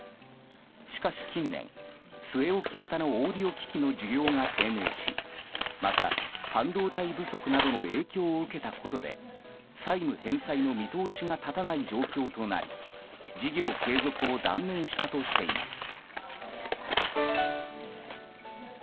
しかし近年、据え置き型のオーディオ機器の需要が低迷しまた、半導体不足などの影響を受けたことで債務返済の見通しが立たない状況となり事業継続を断念したとしています。